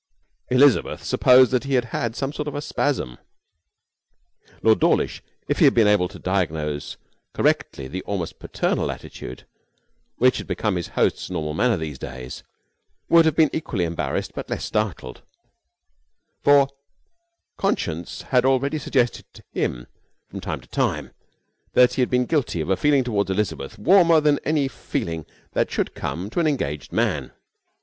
Elizabeth supposed that he had had some sort of a spasm. Lord Dawlish, if he had been able to diagnose correctly the almost paternal attitude which had become his host's normal manner these days, would have been equally embarrassed but less startled, for conscience had already suggested to him from time to time that he had been guilty of a feeling toward Elizabeth warmer than any feeling that should come to an engaged man.